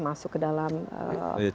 masuk ke dalam